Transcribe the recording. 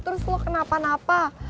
terus lo kenapa napa